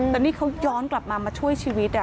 แต่นี่เขาย้อนกลับมามาช่วยชีวิต